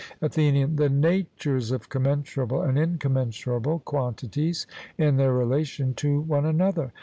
ATHENIAN: The natures of commensurable and incommensurable quantities in their relation to one another.